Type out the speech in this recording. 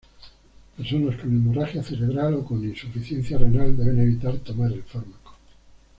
Personas con hemorragia cerebral o con insuficiencia renal deben evitar tomar el fármaco.